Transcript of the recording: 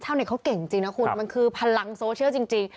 เน็ตเขาเก่งจริงนะคุณมันคือพลังโซเชียลจริง